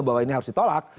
bahwa ini harus ditolak